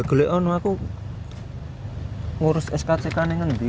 gak boleh aku ngurus skck ini nanti